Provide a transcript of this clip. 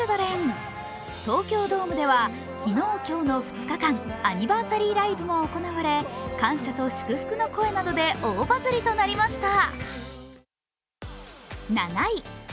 東京ドームでは昨日、今日の２日間、アニバーサリーライブも行われ感謝と祝福の声などで大バズりとなりました。